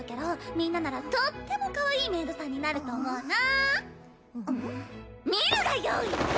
みんなならとってもかわいいメイドさんになると思うな見るがよい！